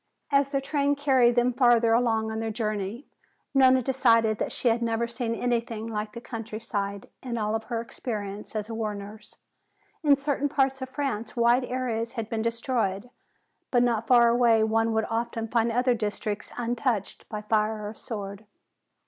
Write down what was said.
As their train carried them farther along on their journey, Nona decided that she had never seen anything like the countryside in all her experience as a war nurse. In certain parts of France wide areas had been destroyed, but not far away one would often find other districts untouched by fire or sword.